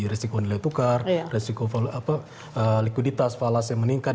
resiko nilai tukar resiko liquiditas falas yang meningkat